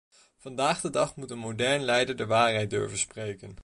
Vandaag de dag moet een modern leider de waarheid durven spreken.